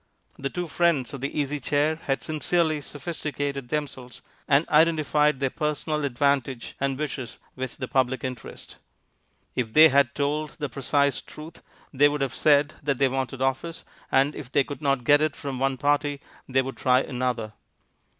The two friends of the Easy Chair had sincerely sophisticated themselves, and identified their personal advantage and wishes with the public interest. If they had told the precise truth they would have said that they wanted office, and if they could not get it from one party they would try another.